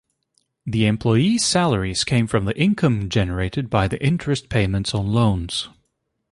The employees' salaries came from the income generated by the interest payments on loans.